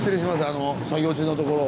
あの作業中のところ。